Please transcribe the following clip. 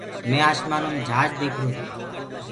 مينٚ آشمآنو مي جھآج ديکرو تو۔